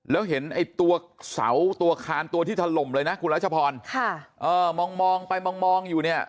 แล้วเห็นไอ้ตัวเสาตัวคานตัวที่ถล่มเลยนะคุณรัชพรค่ะเออมองมองไปมองมองอยู่เนี่ย